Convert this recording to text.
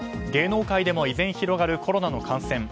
芸能界でも依然広がるコロナの感染。